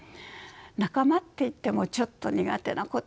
仲間っていってもちょっと苦手なことはあります。